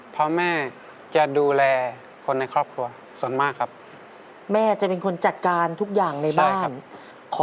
เพราะแม่จะดูแลคนในครอบครัวส่วนมากครับแม่จะเป็นคนจัดการทุกอย่างในบ้าน